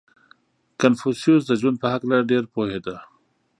• کنفوسیوس د ژوند په هکله ډېر پوهېده.